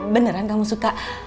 beneran kamu suka